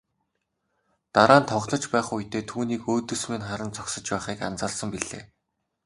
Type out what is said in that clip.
Дараа нь тоглож байх үедээ түүнийг өөдөөс минь харан зогсож байхыг анзаарсан билээ.